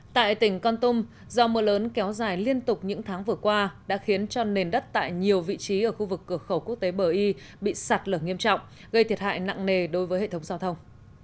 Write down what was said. tại tỉnh con tum do mưa lớn kéo dài liên tục những tháng vừa qua đã khiến cho nền đất tại nhiều vị trí ở khu vực cửa khẩu quốc tế bờ y bị sạt lở nghiêm trọng gây thiệt hại nặng nề đối với hệ thống giao thông